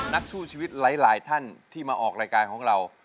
นักสู้ชีวิตหลายท่านที่มาออกรายการของเรา